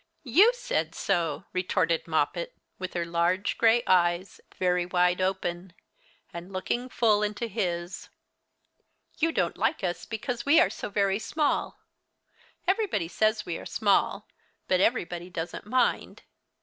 "You said so," retorted Moppet, with her large gray eyes very wide open, and looking full into his. "You don't like us because we are so very small. Everybody says we are small, but everybody doesn't mind.